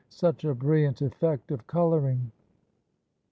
such a brilliant effect of coloring!"